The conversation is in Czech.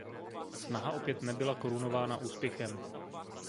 Snaha opět nebyla korunována úspěchem.